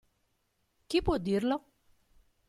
Chi può dirlo?